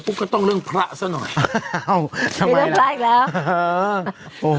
ปุ๊บก็ต้องเรื่องพระซะหน่อยเอ้าทำไมล่ะอีกแล้วเออโอ้โห